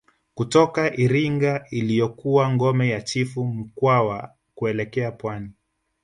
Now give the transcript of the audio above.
Kutoka Iringa ilikokuwa ngome ya Chifu Mkwawa kuelekea pwani